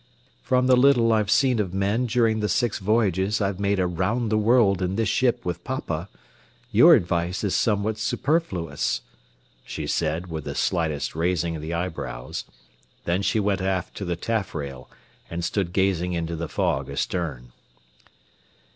"From the little I've seen of men during the six voyages I've made around the world in this ship with papa, your advice is somewhat superfluous," she said, with the slightest raising of the eyebrows. Then she went aft to the taffrail and stood gazing into the fog astern.